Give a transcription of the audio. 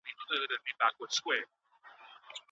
د مسلمانانو شتمني بايد د خير په کارونو کې ولګول سي.